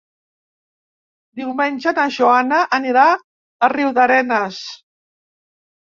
Diumenge na Joana anirà a Riudarenes.